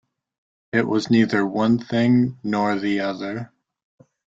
It was neither one thing nor the other.